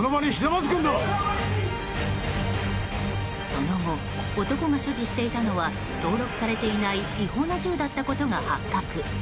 その後、男が所持していたのは登録されていない違法な銃だったことが発覚。